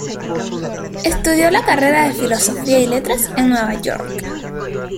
Estudió la carrera de Filosofía y Letras en Nueva York.